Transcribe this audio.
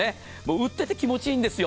打ってて気持ちいいんですよ。